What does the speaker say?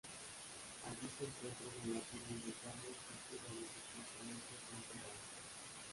Allí se encuentra una lápida indicando el sitio donde supuestamente fue enterrado.